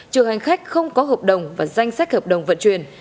trừ hành khách không có hợp đồng và danh sách hợp đồng vận chuyển